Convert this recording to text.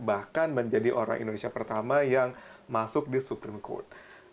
bahkan menjadi orang indonesia pertama yang masuk di super code